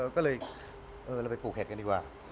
ก็เลยเราไปปลูกเห็นกันดีกว่า